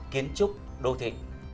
kiến trúc đô thị